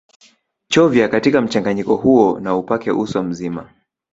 Chovya katika mchanganyiko huo na upake uso mzima